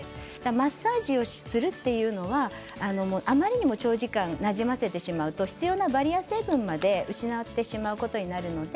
マッサージをするというのはあまりにも長時間なじませてしまうと必要なバリアー成分まで失ってしまうことになります。